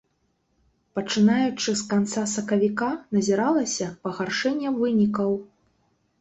Пачынаючы з канца сакавіка назіралася пагаршэнне вынікаў.